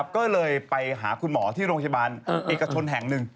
ก็เลยไปหาคุณหมอที่โรงพยาบาลเอกชนแห่งหนึ่ง